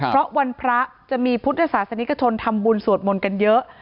เพราะวันพระจะมีพุทธศาสนิกชนทำบุญสวดมนต์กันเยอะ